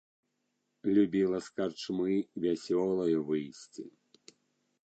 Любіла з карчмы вясёлаю выйсці.